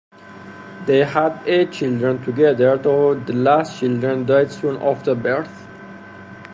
They had eight children together, though the last child died soon after birth.